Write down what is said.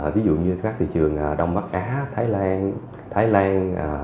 ví dụ như các thị trường đông bắc á thái lan